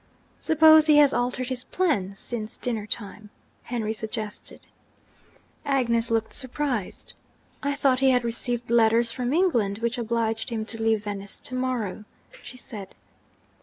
'Suppose he has altered his plans, since dinner time?' Henry suggested. Agnes looked surprised. 'I thought he had received letters from England which obliged him to leave Venice to morrow,' she said.